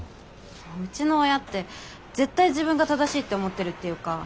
うちの親って絶対自分が正しいって思ってるっていうか。